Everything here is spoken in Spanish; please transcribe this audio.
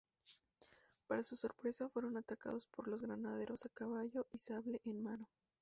Para su sorpresa, fueron atacados por los granaderos a caballo y sable en mano.